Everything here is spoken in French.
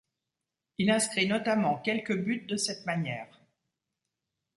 Il a inscrit notamment quelques buts de cette manière.